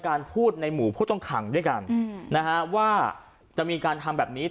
พูดในหมู่ผู้ต้องขังด้วยกันนะฮะว่าจะมีการทำแบบนี้